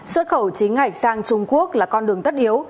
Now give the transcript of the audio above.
xuất khẩu chính ngạch sang trung quốc là con đường tất yếu